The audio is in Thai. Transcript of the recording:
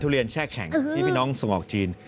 เรียนแช่แข็งที่พี่น้องส่งออกจีน